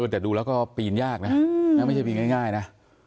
แต่ดูแล้วก็ปีนยากนะไม่ใช่ปีนง่ายนะ